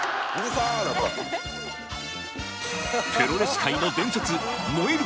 プロレス界の伝説燃える